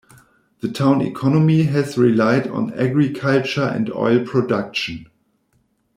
The town economy has relied on agriculture and oil production.